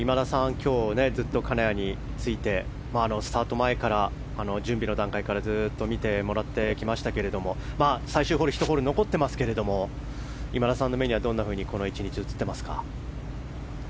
今日はずっと金谷についてスタート前から準備の段階からずっと見てもらってきましたが最終ホール１ホール残っていますけども今田さんの目には、どうこの１日映っていますか？